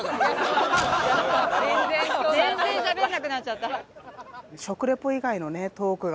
全然しゃべらなくなっちゃった。